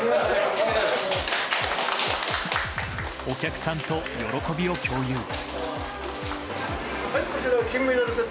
お客さんと喜びを共有。